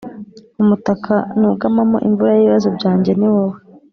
Umutaka nugamamo imvura yibibazo byanjye niwowe